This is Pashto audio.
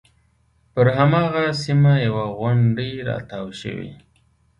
پر هماغه سیمه یوه غونډۍ راتاو شوې.